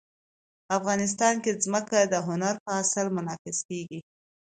افغانستان کې ځمکه د هنر په اثار کې منعکس کېږي.